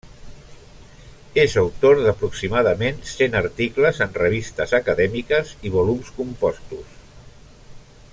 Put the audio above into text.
És autor d'aproximadament cent articles en revistes acadèmiques i volums compostos.